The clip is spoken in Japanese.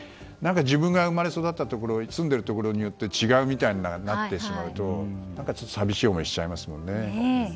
自分が生まれ育ったところ住んでいるところによって違うみたいになってしまうと寂しい思いをしちゃいますもんね。